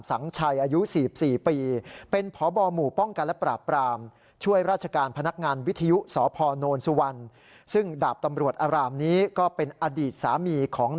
สังชัยอายุ๔๔ปี